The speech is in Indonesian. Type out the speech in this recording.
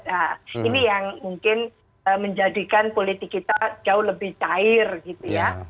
nah ini yang mungkin menjadikan politik kita jauh lebih cair gitu ya